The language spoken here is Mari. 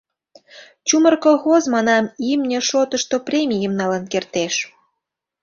Чумыр колхоз, манам, имне шотышто премийым налын кертеш.